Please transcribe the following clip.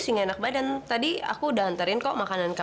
ih jorok banget sih orang lagi makan juga